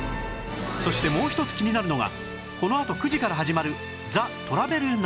そしてもう一つ気になるのがこのあと９時から始まる『ザ・トラベルナース』